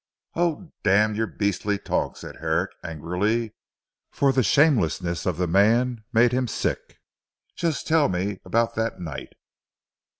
"Oh, damn your beastly talk," said Herrick angrily, for the shamelessness of the man made him sick, "just tell me about that night."